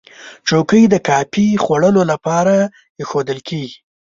چوکۍ د کافي خوړلو لپاره ایښودل کېږي.